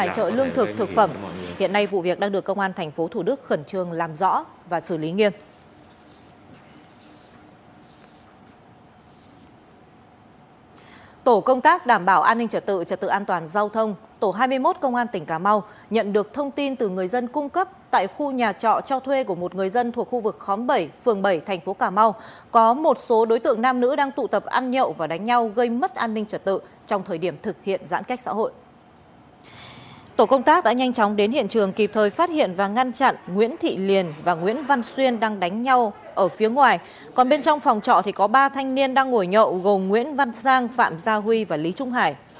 còn bên trong phòng trọ thì có ba thanh niên đang ngồi nhậu gồm nguyễn văn giang phạm gia huy và lý trung hải